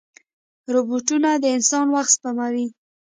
روبوټونه د انسان وخت سپموي.